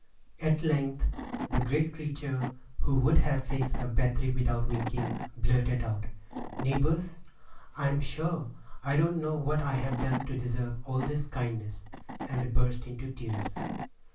At length the great creature, who would have faced a battery without winking, blurted out, "Neighbors, I 'm sure, I don't know what I've done to deserve all this kindness," and burst into tears.